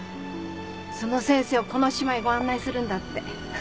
その先生をこの島へご案内するんだって。